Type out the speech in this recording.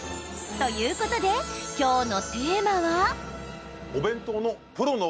ということで、今日のテーマは。